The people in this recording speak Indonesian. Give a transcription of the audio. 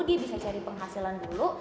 dia bisa cari penghasilan dulu